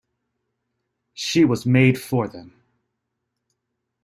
She was made for them.